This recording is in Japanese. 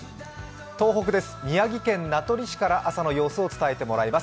東北です、宮城県名取市から朝の様子を伝えてもらいます。